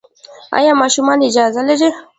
ایا ماشومان اجازه لري؟